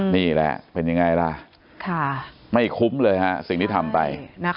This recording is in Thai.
นี่แหละเป็นยังไงล่ะไม่คุ้มเลยฮะสิ่งที่ทำไป